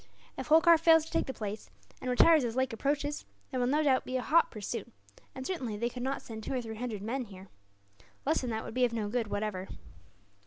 If Holkar fails to take the place, and retires as Lake approaches, there will no doubt be a hot pursuit; and certainly they could not send two or three hundred men here. Less than that would be of no good, whatever.